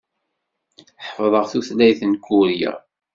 Ḥeffḍeɣ tutlayt n Kurya.